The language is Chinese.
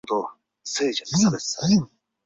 台南金华府位于台南市中西区。